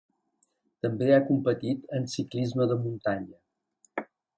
També ha competit en ciclisme de muntanya.